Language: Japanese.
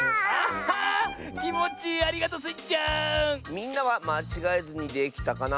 みんなはまちがえずにできたかな？